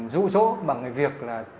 rủ rỗ bằng việc